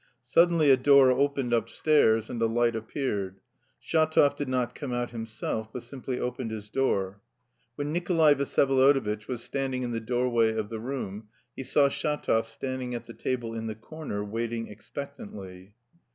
Suddenly a door opened upstairs and a light appeared. Shatov did not come out himself, but simply opened his door. When Nikolay Vsyevolodovitch was standing in the doorway of the room, he saw Shatov standing at the table in the corner, waiting expectantly.